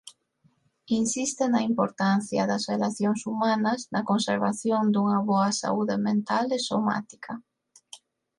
Insiste na importancia das relacións humanas na conservación dunha boa saúde mental e somática.